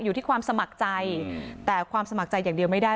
อยู่ที่ความสมัครใจแต่ความสมัครใจอย่างเดียวไม่ได้